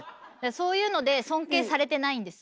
そういうので尊敬されてないんです。